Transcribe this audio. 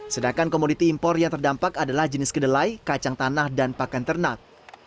sedangkan komoditi impor yang terdampak adalah jenis kedelai kacang tanah dan pakan ternak